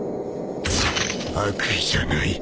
悪意じゃない。